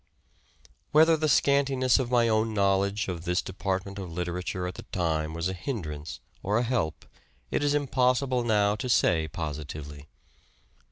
Whether the scantiness of my own knowledge of Narrowing this department of literature at the time was a operations, hindrance or a help it is impossible now to say positively.